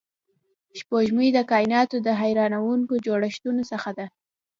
سپوږمۍ د کایناتو د حیرانونکو جوړښتونو څخه ده